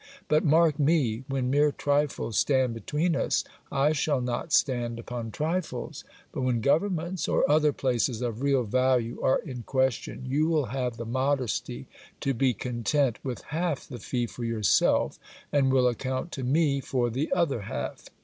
But mark me! When mere trifles stand between us, I shall not stand upon trifles; but when governments or other places of real value are in question, you will have the modesty to be content with half the fee for yourself, and will account to me for the other half.